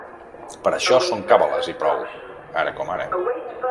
Però això són càbales i prou, ara com ara.